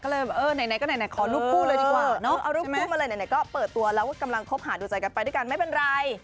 ก็เลยแบบเออไหนก็ไหนขอรูปคู่เลยดีกว่าเนาะเอารูปคู่มาเลยไหนก็เปิดตัวแล้วว่ากำลังคบหาดูใจกันไปด้วยกันไม่เป็นไร